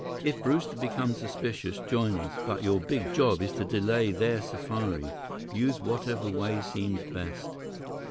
If Brewster becomes suspicious, join us. But your big job is to delay their safari. Use whatever way seems best."